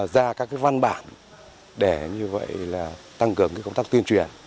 ra các văn bản để như vậy là tăng cường công tác tuyên truyền